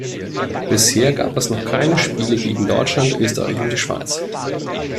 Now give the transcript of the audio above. Bisher gab es noch keine Spiele gegen Deutschland, Österreich und die Schweiz.